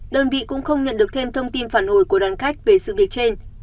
đơn vị cũng không nhận được thêm thông tin phản hồi của đoàn khách về sự việc trên